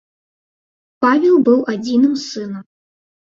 Павел быў адзіным сынам.